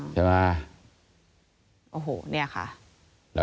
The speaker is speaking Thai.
แล้วยายก็มานั่งอยู่อย่างนี้